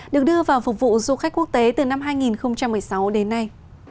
được đưa vào phục vụ du khách quốc tế từ năm hai nghìn một mươi sáu đến nay